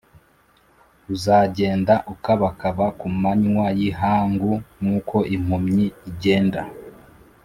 Uzagenda ukabakaba ku manywa y ihangu nk uko impumyi igenda